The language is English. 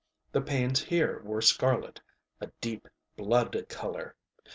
The panes here were scarletŌĆöa deep blood color.